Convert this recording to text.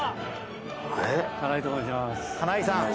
金井さん。